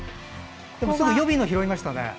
でも、すぐに予備を拾いましたね。